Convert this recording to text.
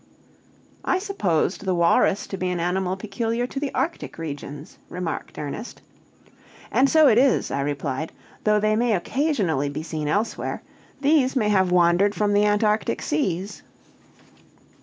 "I supposed the walrus to be an animal peculiar to the Arctic regions," remarked Ernest. "And so it is," I replied; "though they may occasionally be seen elsewhere; these may have wandered from the Antarctic seas.